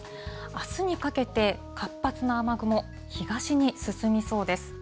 あすにかけて、活発な雨雲、東に進みそうです。